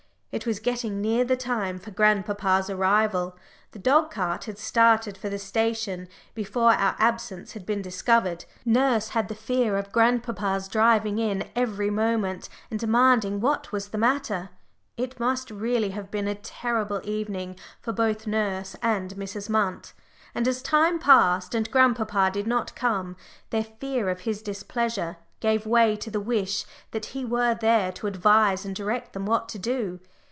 It was getting near the time for grandpapa's arrival. The dog cart had started for the station before our absence had been discovered, and to add to her own great anxiety, nurse had the fear of grandpapa's driving in every moment and demanding what was the matter. It must really have been a terrible evening for both nurse and Mrs. Munt; and as time passed and grandpapa did not come, their fear of his displeasure gave way to the wish that he were there to advise and direct them what to do.